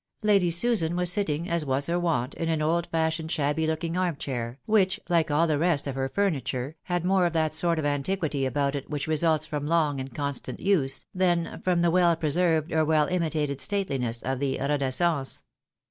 Lady Susan was sitting, as was her wont, in an old fashioned shabby looking arm chair, which, hke all the rest of her furni ture, had more of that sort of antiquity about it which results from long and constant use, than from the well preserved, or well imitated stateliness of the renaissance.